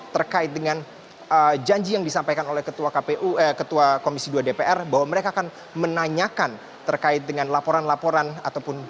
terkait dengan janji yang disampaikan oleh ketua kpu eh ketua komisi dua dpr bahwa mereka akan menanyakan terkait dengan laporan laporan ataupun